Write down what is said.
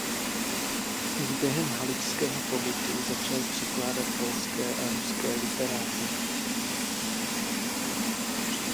Už během haličského pobytu začal překládat polské a ruské literáty.